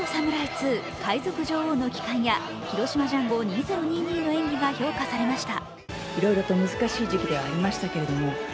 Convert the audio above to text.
２−海賊女王の帰還−」や「広島ジャンゴ２０２２」の演技が評価されました。